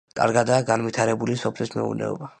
კარგადაა განვითარებული სოფლის მეურნეობა.